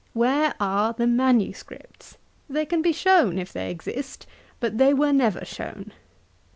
Where are the manuscripts? They can be shown if they exist, but they were never shown.